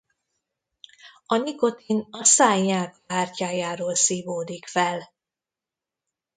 A nikotin a száj nyálkahártyájáról szívódik fel.